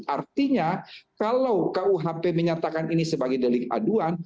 artinya kalau kuhp menyatakan ini sebagai delik aduan